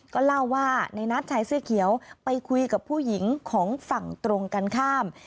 ก็เล่าว่าในนัดชายเสื้อเขียวไปคุยกับผู้หญิงของฝั่งตรงกันข้าม